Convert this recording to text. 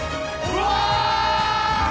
うわ！